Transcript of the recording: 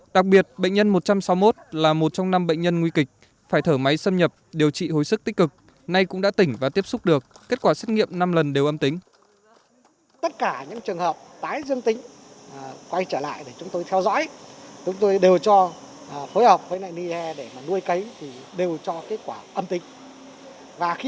đặc biệt bệnh nhân một trăm sáu mươi một là một trong năm bệnh nhân nguy kịch phải thở máy xâm nhập điều trị hồi sức tích cực nay cũng đã tỉnh và tiếp xúc được kết quả xét nghiệm năm lần đều âm tính